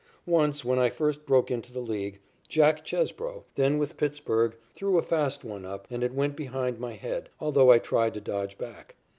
Once, when I first broke into the League, Jack Chesbro, then with Pittsburg, threw a fast one up, and it went behind my head, although I tried to dodge back.